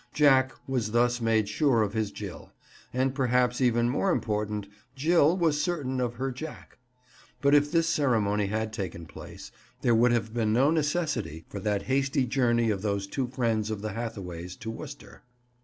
Jack was thus made sure of his Jill; and, perhaps even more important, Jill was certain of her Jack. But if this ceremony had taken place, there would have been no necessity for that hasty journey of those two friends of the Hathaways to Worcester.